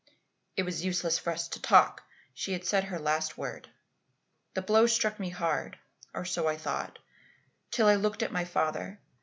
It was useless for us to talk; she had said her last word. The blow struck me hard, or so I thought, till I looked at my father.